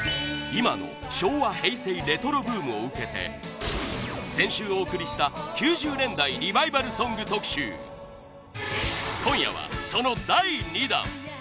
今の昭和・平成レトロブームを受けて先週お送りした９０年代リバイバルソング特集今夜はその第２弾！